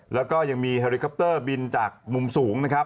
แล้วก็ยังมีเฮริคอปเตอร์บินจากมุมสูงนะครับ